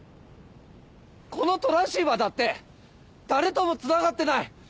このトランシーバーだって誰ともつながってない。